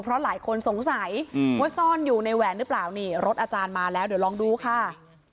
เพราะหลายคนสงสัยว่าซ่อนอยู่ในแหวนหรือเปล่านี่รถอาจารย์มาแล้วเดี๋ยวลองดูค่ะ